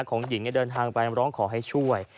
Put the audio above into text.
ของหญิงเดินทางไปร้องขอให้ช่วย